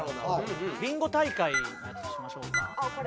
ビンゴ大会のやつにしましょうか。